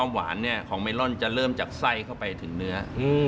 ไหมลอลุจะเริ่มจากใส่เข้าไปถึงเนื้อ